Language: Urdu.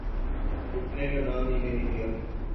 رکنے کا نام ہی نہیں لیا۔